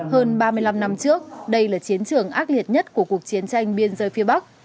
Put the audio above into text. hơn ba mươi năm năm trước đây là chiến trường ác liệt nhất của cuộc chiến tranh biên giới phía bắc